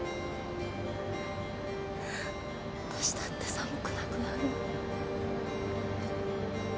わたしだって寒くなくなる。